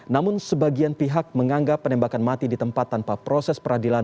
namun sebagian pihak menganggap penembakan mati di tempat tanpa proses peradilan